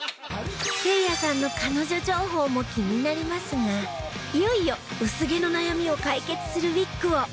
せいやさんの彼女情報も気になりますがいよいよ薄毛の悩みを解決するウィッグを！